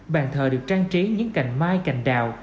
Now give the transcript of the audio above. bàn thờ được trang trí những cành mai cành đào